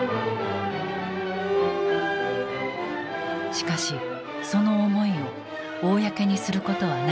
しかしその思いを公にすることはなかった。